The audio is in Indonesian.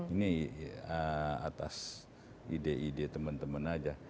ini atas ide ide teman teman aja